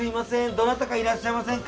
どなたかいらっしゃいませんか？